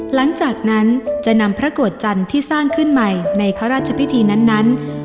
หลังจากนั้นจะนำพระโกรธจันทร์ที่สร้างขึ้นใหม่ในพระราชพิธีนั้น